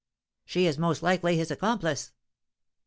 "She is most likely his accomplice!"